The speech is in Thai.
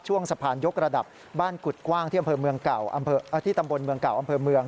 ช่วงสะพานยกระดับบ้านกุดกว้างที่ตำบลเมืองเก่าอำเภอเมือง